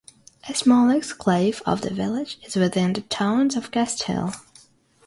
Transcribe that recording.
A small exclave of the village is within the Town of Castile.